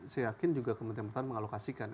saya yakin juga kementerian pertahanan mengalokasikan